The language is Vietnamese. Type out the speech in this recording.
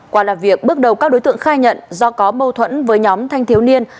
quả là việc bước đầu các đối tượng khai nhận do có mâu thuẫn với nhóm thanh thiếu niên